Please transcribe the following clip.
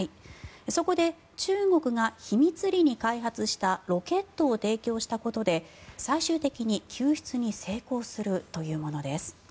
そこで、中国が秘密裏に開発したロケットを提供したことで最終的に救出に成功するというものです。